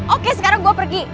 oke sekarang gue pergi